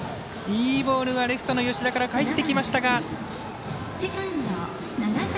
いいボールがレフトの吉田から返ってきましたが。